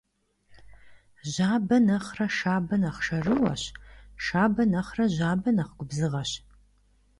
Жьабэ нэхърэ шабэ нэхъ шэрыуэщ, шабэ нэхърэ жьабэ нэхъ губзыгъэщ.